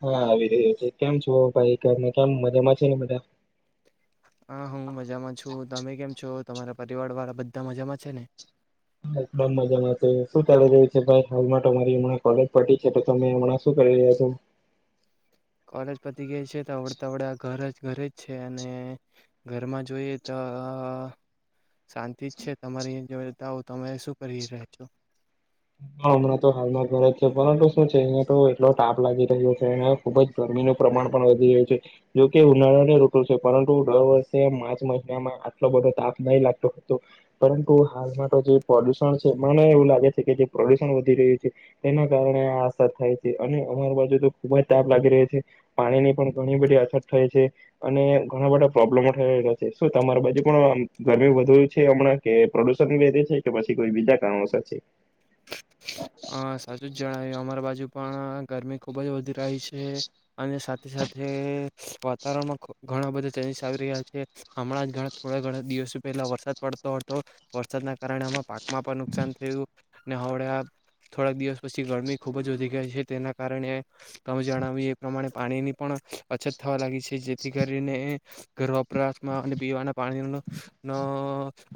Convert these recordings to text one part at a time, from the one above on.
હા આવી રહ્યો છે કેમ છો, ભાઈ કેમ મજામાં છે ને બધા. હા હું મજામાં છું તમે કેમ છો? તમારા પરિવાર વાળા બધા મજામાં છે ને? બમ મજામાં છે શું ચાલી રહ્યું છેાઈ હાલમાં તમારી હં કોલેજ પટી છે તો તમે હમણાં શું કરી રહ્યા છો? [unintelligible] ત છે આવડે તો અવડે ઘરે જ. ઘરે જ છે અને ઘરમાં જોઈએ તો શાંતિ જ છે તમારે અ જ તમે શું કરી રહ છો? પરંતુ શું છે અહીયા તો એટલો તાપ લાગી રહ્યો છે અને ખુબ જ ગરમીનું પ્રમાણ પણ વધી રહ્યું છે, જોકે ઉનાળાને રઋતુ છે પરંતુ દર વર્ષે માર્ચ મહિનામાં આટલો બધો તાપ નહી લાગતો હતો, પરંતુ હાલમાં તો જે પ્રદુષણ છે મને એવું લાગે છે. પ્રદુષણ વધી રહ્યું છે, તેના કારણે આ અસર થાય છે અને અમારી બાજુ તો ખુબ જ તાપ લાગી રહ્યો છે, પાણીની પણ ઘણી બધી અસર થાય છે, અને ઘણા બધા પ્રોબ્લેમો થલા છે, શું તમારી બાજુ પણ ગરમી વધુ છે હમણાં કે પ્રદુષણ વધે છે કે પછી કોઈ બીજા કારણોસર છે? હ સાચું જ જણાવ્યું અમારા બાજુ પાણા ગરમી ખુબ જ વધી રહી છે, અને સાથે સાથે, વાતાવરણમાં ખબ ઘણા બધા ચેન્જીસ આવી રહ્યા છે, હમણાં જ ઘણા થોડા ઘણા દિવસો પહેલાં વરસાદ પડતો હતો, વરસાદના કારણે આમાં પા માફા નુકસાન થયો. હર્યા. થોડાક દિવસ પછી ગરમી ખુબ જ વધી ગઈ છે તેના કારણે તમે જણાવી એ પ્રમાણે પાણીની પણ અછત થવા લાગી છે જેથી કરીને, ઘર વપરાસમાં અને પીવાના પાણીનો ન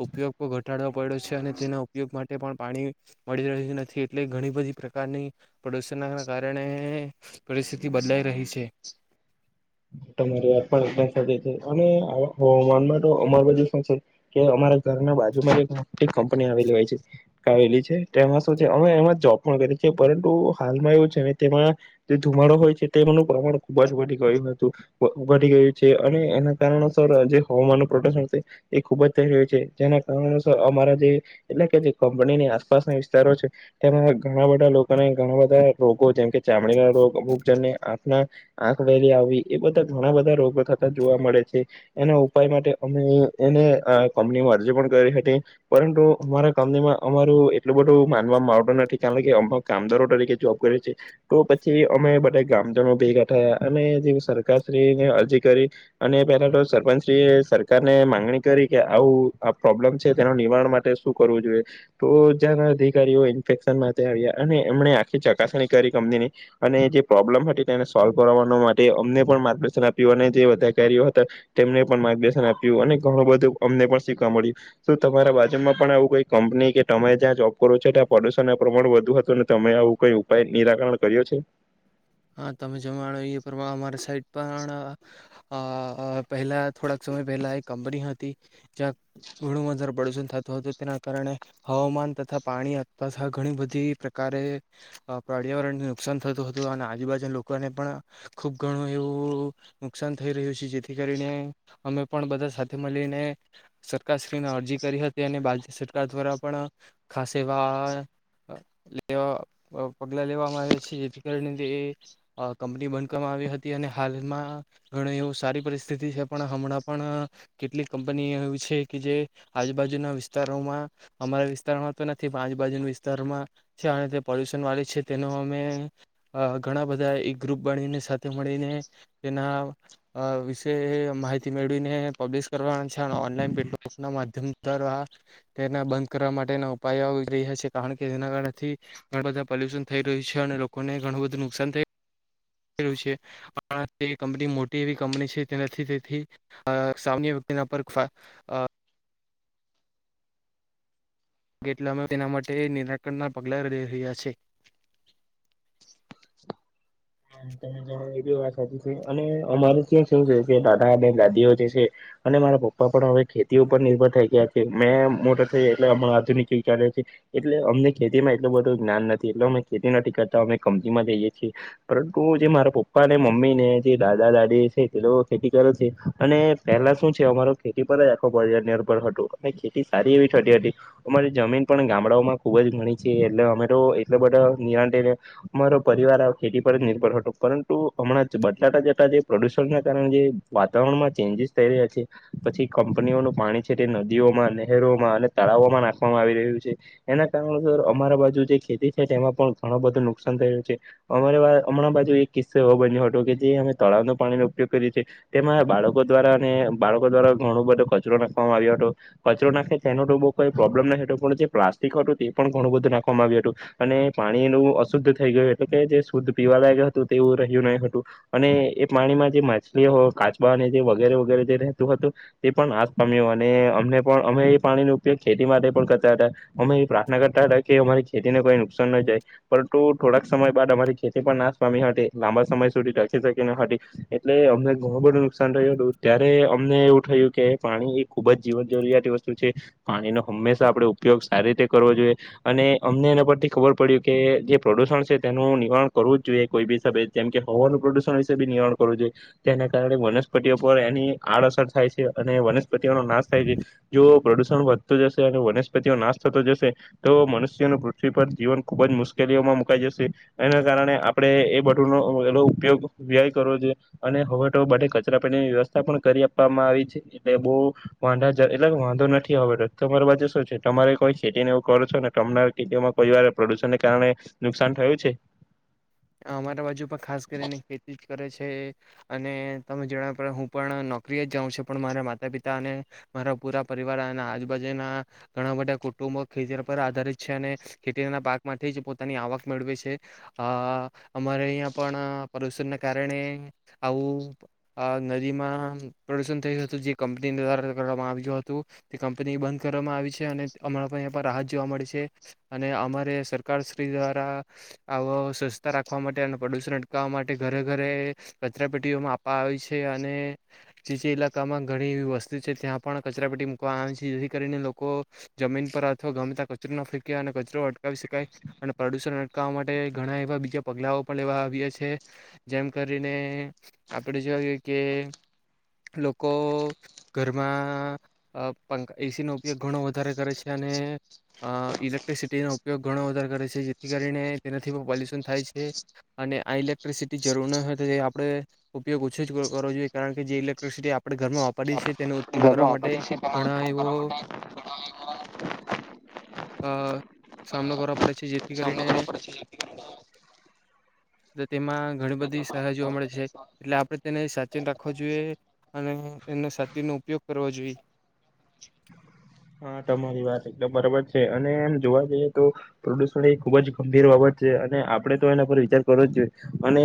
ઉપયોગ પણ ઘટાડવો પડ્યો છે અને તેના ઉપયોગ માટે પણ પાણી, મળી રહ્યું છે. એટલે ઘણી બધી પ્રકારની, પ્રદુષણના કારણે પરિસ્થિતિ બદલાઈ રહી છે. રી વા પણ અને હન અમાર બાજુ શું છે કે અમારા ઘરના બાજુમાં કંપની આવેલી હોય છે આવેલી છે, તેમાં શું છે અમે એમાં જોબ પણ કરી છે પરંતુ હાલમાં એવું છે તેમાં, જે ધુમાડો હોય છે તેનું પ્રમાણ ખુબ જ વધી ગયું હતું. વધી ગયું છે અને એના કારણસર જે હવામાનનું પ્રોડક્શન છે, એ ખુબ જ થઈ રહ્યું છે જેના કારણોસર અમારા જે એટલે કે જે કંપનીની આસપાસના વિસ્તારો છે, તેમાં ઘણા બધા લોકોને ઘણા બધા રોગો જેમ કે ચામડીના રો વોગજનને આંખના, આંખ વહેલી આવી. એ બધા ઘણા બધા રોગો થતા જોવા મળે છે એના ઉપાય માટે અમે એને કંપનીમાં અરજી પણ કરી હતી પરંતુ અમારા કંપનીમાં અમારું એટલું બધું માનવામાં આવતું નથી કારણ કે અમે કામદારો તરીકે જોબ કર છે તો પછી અમે બધા ગામજનો ભેગા થયા અને જે. ને અરજી કરી અને પેલા તો સરપંચશ્રી એ સરકારને માંગણી કરી કે આવું આ પ્રોબ્લમ છે તેના નિવારણ માટે શું કરવું જોઈએ તો જ અધિકારીઓ ઇન્ફેશન માટે આવ્યા અને એમણે આખી ચકાસણી કરી કંપનીની અને જે પ્રોબ્લમ હતી તેને સોલ્વ કરવાનો માટે અમને. પણ માર્ગદર્શન આપ્યું અને જે અધિકારીઓ હતા તેમને પણ માર્ગદર્શન આપ્યું અને ઘણું બધું અમને પણ શીખવા મળ્યું, શું તમારા બાજુ માં પણ આવું કઈ કંપની કે તમે જ્યાં જોબ કરો છો ત્યાં પ્રદુષણ પ્રમાણ વધુ હતું અને તમે આવું કઈ ઉપાય નિરાકરણ કર્યો છે? હા તમે જણાવ્યું એમા અમારી સાઈડ પણ આ પહેલા થોડાક સમય પહેલા એ કંપની હતી, જ્યાં ઘણું વધારે પ્રદુષણ થતું હતું તેના કારણે, હવામાન તથા પાણી ઘણી બધી પ્રકારે, પર્યાવરણને નુકસાન થતું હતું અને આજૂબાજુના લોકોને પણ ખૂબ ઘણું એવું નુકસાન થઈ રહ્યું છે જેથી કરીને અમે પણ બધા સાથે મળીને સરકારશ્રીને અરજી કરી હતી અને બા સરકાર દ્વારા પણ ખાસ એવા લેવા પગલાં લેવામાં આવ્યા છે જેથી કરીને તે. કંપની બંધ કરવામાં આવી હતી અને હાલમાં ઘણ એવું સારી પરિસ્થિતિ છે પણ હમણાં પણ, કેટલીક કંપની એવી છે કે જે આજુબાજુના વિસ્તારોમાં અમારા વિસ્તારમાં તો નથી પણ આજુબાજુના વિસ્તારમાં છે, અને તે પોલ્યુશન વાળી છે તેનો અમે ઘણા બધા એ ગ્રુપ બનીને સાથે મળીને, તેના વિશે માહિતી મેળવીને પબ્લિશ કરવાના છે અને ઓનલાઈન પ્લેટફોર્મના માધ્યમ દ્વારા, તેના બંધ કરવા માટેના ઉપાયો આવી રહ્યા છે કારણ કે જેના કારણેથી, ઘણા બધા પોલ્યુશન થઈ રહ્યું છે અને લોકોને ઘણું બધું નુકસાન થ છે, તે કંપની મોટી એવી કંપની છે તે તેથી, સામાન્ય વ્યક્તિના પર કે એટલે અમે તેના માટે નિરાકરણના પગલાં લઈ રહ્યા છે. એ વાત સાચી છે અને અમારે ત્યાં શું છે કે દાદા અને દાદીઓ જે છે અને મારા પપ્પા પણ હવે ખેતી ઉપર નિર્ભર થઈ ગયા છે મેં મોટો થ એટલે હમણાં આધુનિક વિચાર છે એટલે અમને ખેતીમાં એટલું બધું જ્ઞાન નથી એટલે અમે ખેતી નથી કરતા અમે કંપતીમાં જઈએ છીએ. તો જે મારા પપ્પા ને મમ્મી ને જે દાદા દાદી છે તે ખેતી કરે છે અને પહેલા શું છે અમારો ખેતી પર જ આખો પર નિર્ભર હતો અને ખેતી સારી એવી થતી હતી અમારી જમીન પણ ગામડાઓમાં ખુબ જ ઘણી છે એટલે અમેરો એટલે બધા નિરા થઈને અમારો પરિવાર ખેતી પર જ. પરંતુ હમણાં બટાટા જતા જે પ્રદુષણના કારણે જે વાતાવરણમાં ચેન્જીસ થઈ રહ્યા છે પછી કંપનીઓનું પાણી છે તે નદીઓમાં નહેરોમાં અને તળાવોમાં નાખવામાં આવી રહ્યું છે એના કારણોસર અમારા બાજુ જે ખેતી છે તેમાં પણ ઘણ બધું નુકસાન થય રહું છે અમારે. હમણાં બાજુ એક કિસ્સો એવો બન્યો હતો કે જે અમે તળાવનો પાણીનો ઉપયોગ કર્યો છે, તેમાં બાળકો દ્વારા અને બાળકો દ્વારા ઘણો બધો કચરો નાખવામાં આવ્યો હતો, કચરો નાખે તેનો તો બહુ કોઈ પ્રોબ્લેમ ન હતો પણ જે પ્લાસ્ટિક હતું તે પણ ઘણું બધું નાખવામાં આવ્યું હતું, અને પાણીનું અશુદ્ધ થઈ ગયું એટલે કે જે શુદ્ધ પીવા લાગ હતું તેવું રહ્યું નહી હતું, અને એ પાણીમાં જે માછલીઓ હો કાચબા અને જે વગેરે વગેરે જે રહેતું હતું, એ પણ આસ પામ્યો અને અમને પણ અમે એ પાણીનો ઉપયોગ ખેતી માટે પણ કરતા હતા, અમે એ પ્રાર્થના કરતા હતા કે અમારી ખેતીને કોઈ નુકસાન ન જાય, પરંતુ થોડાક સમય બાદ અમારિ ખેતી પણ નાશ પામી હતી લાંબા સમય સુધી રાખી શકી ન હતી, એટલે અમને ઘણું બધું નુકસાન થ્યું હતું ત્યારે અમને એવું થયું કે પાણી એ ખૂબ જ જીવન જરૂરિયાત વસ્તુ છે, પાણીનો હંમેશા આપણેે ઉપયોગ સારી રીતે કરવો જોઈએ, અને અમને એના પરથી ખબર પડ્યું કે જે પ્રદુષણ છે તેનું નિવારન કરવું જ જોઈએ કોઈ બી જેમ કે હવાનું પ્રદુષણ વિશે બી નિવાણ કરવું જોઈએ તેના કારણે વનસ્પતિઓ પર એની આડઅસર થાય છે અને વ. પ્રતિ નો નાશ થાય છે, જો પ્રદુષણ વધતું જશે અને વનસ્પતિઓ નાશ થતો જશે, તો મનુષ્યનું પૃથ્વી પર જીવન ખૂબ જ મુશ્કેલીઓમાં મુકાઈ જશે અને. કારણે આપણે એ બટુંનો એ ઉપયોગ વ્યય કરવો જોએ, અને હવે તો બે કચરા પેટીની વ્યવસ્થા પણ કરી આપવામાં આવી છે એટલે બહ વાંધા એટલે વાંધો નથી હવે તમારી પાજે શું છે તમારે કોઈ ખેતીને એવું કરો છો ને તમા ખેતીમાં કોઈ વાર પ્રદુષણને કારણે નુકસાન થયું છે? મારા બાજુ પણ ખાસ કરીને ખેતી જ કરે છે, અને તમે જણાવડ હું પણ નોકરી જ જાઉં છું પણ મારા માતા પિતા અને, મારા પુરા પરિવાર અને આજુબાજુના, ઘણા બધા કુટુંબો ખેતર પર આધારિત છે, અને ખેતના પાકમાંથી જ પોતાની આવક મેળવે છે, અ અમારે અહીં પણ પ્રદુષણના કારણે આવું નદીમાં પ્રદુષણ થયું હતું જે કંપની દ્વારા કરવામાં આવ્યું હતું, તે કંપની બંધ કરવામાં આવી છે અને અમરાં પણ રાહત જોવા મળી છે, અને અમારે સરકારશ્રી દ્વારા, આવો રાખવા માટે અને પ્રદુષણ અટકાવવા માટે ઘરે ઘરે કચરા પેટીઓ માપવા આવે છે અને ચીચી લાકામાં ઘણી એવી વસ્તીુ છે ત્યાં પણ કચરા પેટી મૂકવામાં આવે છે જેથી કરીને લોકો જમીન પર અથવા ગમતા કચરો ન ફેંક અને કચરો અટકાવી શકાય અને પ્રદુષણ અટકાવવા માટે ઘણા એવા. પગલાઓ પણ લેવા આવેલા છે જેમ કરીને આપણે જો કે લોકો ઘરમાં એસીનો ઉપયોગ ઘણો વધારે કરે છે, અને ઇલેક્ટ્રિસિટીનો ઉપયોગ ઘણો વધારે કરે છે, જેથી કરીને તેનાથી પોલ્યુશન થાય છે, અને આ ઇલેક્ટ્રિસિટી જરૂર ન હોય તો તે આપણે ઉપયોગ ઓછો જ કરવો જોઈએ કારણ કે જે ઇલેક્ટ્રિસિટી આપણે ઘરમાં વાપરીએ છે. ઘરમાં વાપરીએ પલા કરવા માટે આ સામનો કરવા પડે છે જેથી કરીને એ તેમાં ઘણી બધી સારહ જોવા મળે છે એટલે આપણે તેને સાચેન રાખવ જોઈએ, અને એનો સાચનો ઉપયોગ કરવો જોઈએ. રી વાત એકદમ બરાબર છે અને એમ જોવા જઈએ તો, પ્રદુષણ એ ખુબ જ ગંભીર બાબત છે અને આપડે તો એના પર વિચાર કરવો જ જોઈએ, અને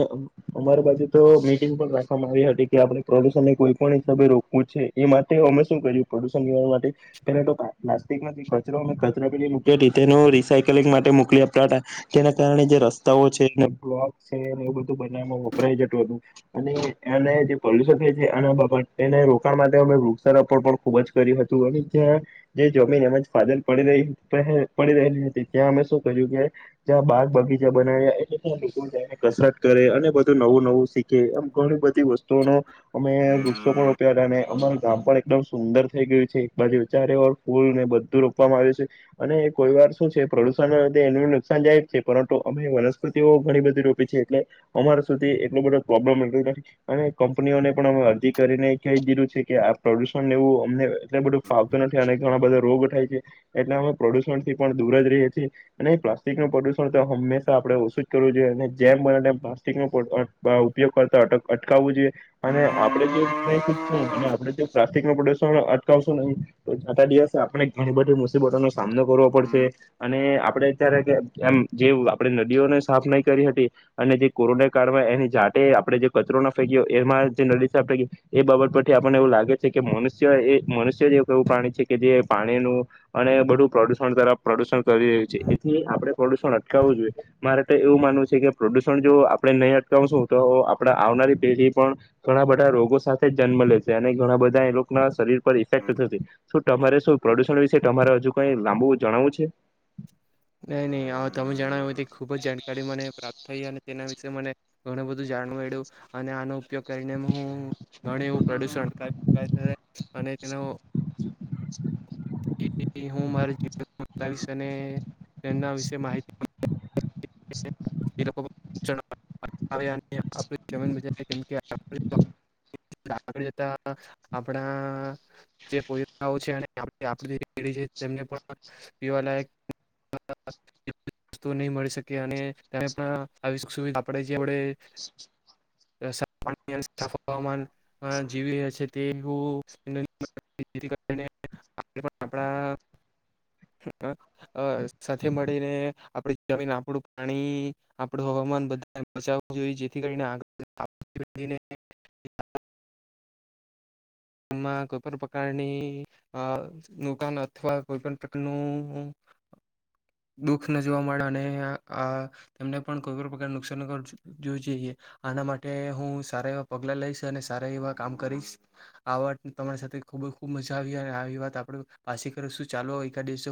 અમારા પાસેુ તો મીટિંગ પણ રાખવામાં આવી હતી કે આપણે પ્રદુષણને કોઈ પણ હિસાબે રોકવું છે, એ માટે અમે શું કર્યું પ્રદુષણ માટેને, તો પ્લાસ્ટિક માંથી કચરો કચરા પ લૂકે તેનું રીસાયકલિંગ માટે મોકલી આપ હતા, તેના કારણે જે રસ્તાઓ છે, બ્લોક છેને એ બધું બનાવમાં વપરાય જતું હતું અને એને જે પોલ્યુશન છે એના બા એને રોકાણ માટે અ વૃક્ષારોપણ પણ ખુબ જ કર્યું હતું અને્યાં. જે જમીન એમ ફાદલ પડી રહી પડી રહેલી હતી ત્યાં અમે શું કર્યું કે જ્યાં બાગ બગીચા બનાવ્યા એટલે ત્યાં લોકો જને કસરત કરે અને બધું નવું નવું શીખે એમ ઘણી બધી વસ્તુઓ ન અમે વૃક્ષો પણ ઉપ અમારું ગામ પણ એકદમ સુંદર થઈ ગયું છે. એક બાજુ ચારે ઓ ને બધું રોપવામાં આવ્યું છે, અને કોઈ વાર શું છે પ્રદુષણ લ એ નુકસાન જાય છે પરંતુ અમે વનસ્પતિઓ ઘણી બધી રોપી છે એટલે અમારા સુધી એટલો બધો પ્રોબ્લેમ નથી અને કંપનીઓને પણ અમે અરજી કરીને ક દીધું છે કે આ પ્રદુષણને એવું અમને એટલ બધું ફાવતું નથી અને ઘણા બધા રોગ થાય છે એટલે અમે પ્રદુષણ થી પણ દૂર જ રહીએ છીએ અને પ્લાસ્ટિક નું પ્રદુષણ તો હંમેશા આપણે ઓછું જ કરવું જોઈએ અને જેમ બને તેમ પ્લાસ્ટિક ન ઉપયોગ કરતાટ અટકાવવું જોઈએ અને આપણેે જો ન શીખશું અને આપણે જો પ્લાસ્ટિક નું પ્રદુષણ અટકાવશું નહીં. જાતા દિવસે આપણે ઘણી બધી મુસીબતોનો સામનો કરવો પડશે અને આપડે અત્યારે એમ જે આપડે નદીઓને સાફ નહી કરી હતી અને જે કોરોના કાળમાં એની જાટે આપડે જે કચરો ના ફેંક્યો એમાં જે નદી સાફ ફેંકી એ બાબત પરથી આપણને એવું લાગે છે કે મનુષ્ય એ મનુષ્ય જે એવું પ્રાણી છે કે જે પાણીનું અને બડુ પ્રડુષણ તરફ પ્રડુષણ કરી રહ્યું છે. એથી આપણે પ્રડુષણ અટકાવવું જોઈએ મારે એવું માનવું છે કે પ્રડુષણ જો આપડે નહીં અટકાવશું તો આપડા આવનારી પેઢી પણ ઘણા બધા રોગો સાથે જન્મ લેશે અને ઘણા બધા એ લોકો ના શરીર પર ઇફેક્ટ થશે. શું તમારે શું પ્રડુષણ વિશે તમારે હજુ કઈ લાંબુ જણાવું છે? કંઈ નહીં [unintelligible] તમે જણાવ્યું હોય તે ખૂબ જ જાણકારી મને પ્રાપ્ત [unintelligible] થઈ અને તેના વિશેે મને ઘણું બધું જાણવા મડ્યું અને આનું ઉપયોગ કરીને હું ઘણ એવું પ્રડુષણ અટકાવી શકાય છે. અને તેનો [inaudible] એ-એ-એ હું મારા જીવન તાવીસ અને તેમના વિશે માહિતી એ લોકો આવ્યા અને [unintelligible] આપડા જે પોયરાઓ છે અને આવતી પેઢી છે તેમને પીવાલાયક [unintelligible] વસ્તુ નહીં મળી શકે. છે અને ત્યારે પણ આવી સુવી આપડે જે વડે [unintelligible] સાફ હવામાન જીવી રહ્યા છીએ તેવું [unintelligible] સાથે મળીને આપણે જમી આપણું પાણી, આપણું હવામાન બધા બચાવવું જોઈએ જેથી કરીને [inaudible] એ કોઈ પણ પ્રકારની અ નુકાન અથવા કોઈ પણ પ્રકારનું દુખ ન જોવા મળે અને તેમને પણ કોઈ પણ પ્રકાર નુકસાન જોઈએ આના માટે હું સારા એવા પગલા લઈશ અને સારા એવા કામ કરીશ. આ વાત તમારી સાથે ખુબ જ ખુબ મજા આવી અને આ આવી વાત આપડે પાછી કરી શું ચાલો એકા દિવસે